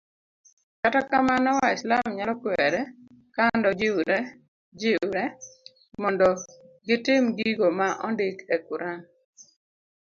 kata kamano, waislam nyalo kuerre kando jiwre mondo gitim gigo ma ondik e Quran